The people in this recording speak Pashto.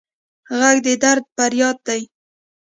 غږ د درد فریاد دی